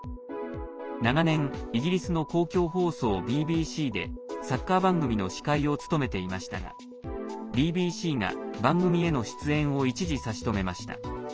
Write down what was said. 長年イギリスの公共放送ＢＢＣでサッカー番組の司会を務めていましたがＢＢＣが番組への出演を一時、差し止めました。